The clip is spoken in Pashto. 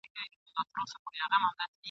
که په ریشتیا وای د شنو زمریو ..